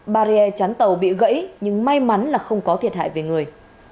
barrier chắn tàu bị gãy nhưng may mắn là không có thiệt hại về người